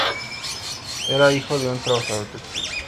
Era hijo de un trabajador textil.